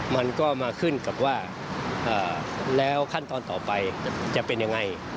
มันก็มาขึ้นกับว่าแล้วขั้นตอนต่อไปจะเป็นยังไง